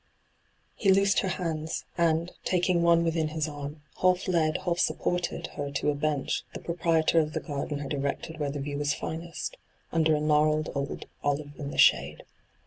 He loosed her hands, and, taking one within his arm, half led, half supported, her to a bench the proprietor of the garden had erected where the view was finest, under a gnarled old olive in the shade.